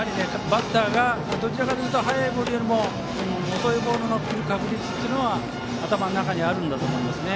バッターがどちらかというと速いボールよりも遅いボールの来る確率が頭の中にあると思います。